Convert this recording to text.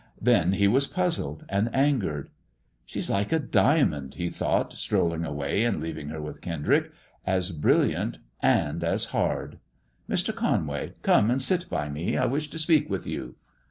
Then he was puzzled and angered. " She is like a diamond," he thought, strolling away and leaving her with Kendrick ;" as brilliant and as hard." "Mr. Conway, come and sit by me. I wish to speak with you."